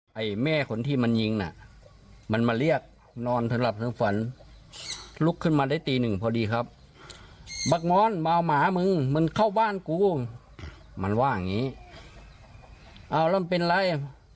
เฮ้ยลูกนรคหมายกัดเขากันว่ามันขี้เอาไป